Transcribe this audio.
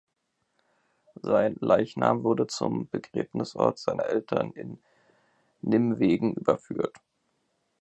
Sein Leichnam wurde zum Begräbnisort seiner Eltern in Nimwegen überführt.